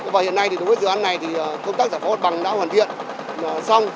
và hiện nay thì đối với dự án này thì công tác giải phóng mặt bằng đã hoàn thiện xong